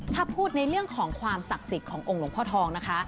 ถ้าพูดในเรื่องของความศักดิ์สิทธิ์ขององค์หลวงพ่อทองนะคะ